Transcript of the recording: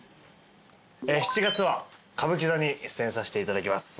７月は歌舞伎座に出演させていただきます。